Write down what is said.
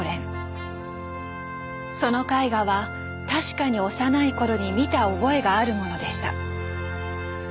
その絵画は確かに幼い頃に見た覚えがあるものでした。